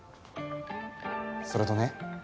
それとね